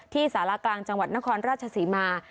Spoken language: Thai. สารกลางจังหวัดนครราชศรีมา